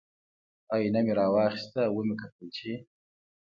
ائینه مې را واخیسته او ومې کتل چې